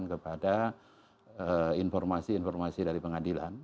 saya mengandalkan kepada informasi informasi dari pengadilan